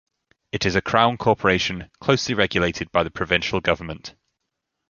It is a Crown corporation closely regulated by the Provincial government.